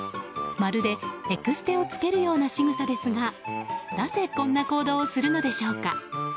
まるでエクステを付けるようなしぐさですがなぜこんな行動をするのでしょうか。